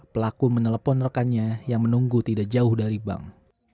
pelaku menelpon rekannya yang menunggu tidak jauh dari bank